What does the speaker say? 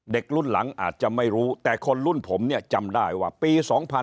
เด็กรุ่นหลังอาจจะไม่รู้แต่คนรุ่นผมเนี่ยจำได้ว่าปี๒๕๕๙